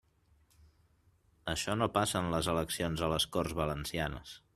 Això no passa en les eleccions a les Corts Valencianes.